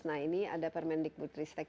nah ini ada permendikbudristek